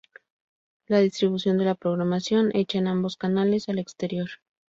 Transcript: La distribución de la programación hecha en ambos canales al exterior.